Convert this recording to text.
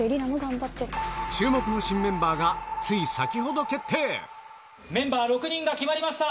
注目の新メンバーが、つい先メンバー６人が決まりました。